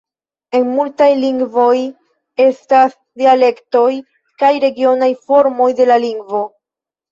En multaj lingvoj estas dialektoj kaj regionaj formoj de la lingvo.